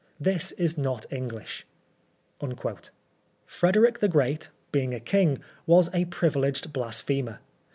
This is not English." Frederick the Great, being a king, was a privileged blasphemer.